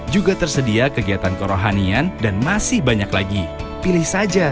juga tersedia kegiatan kerohanian dan masih banyak lagi pilih saja